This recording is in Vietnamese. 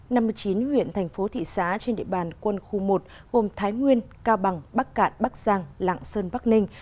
năm mươi chín huyện thành phố thị xã trên địa bàn quân khu một gồm thái nguyên cao bằng bắc cạn bắc giang lạng sơn bắc ninh